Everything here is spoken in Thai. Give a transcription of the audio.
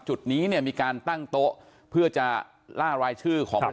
จุดนี้เนี่ยมีการตั้งโต๊ะเพื่อจะล่ารายชื่อของ